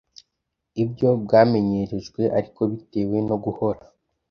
ibyo bwamenyerejwe Ariko bitewe no guhora